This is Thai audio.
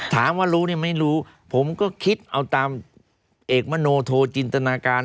ถามว่ารู้เนี่ยไม่รู้ผมก็คิดเอาตามเอกมโนโทจินตนาการ